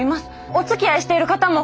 おつきあいしている方も！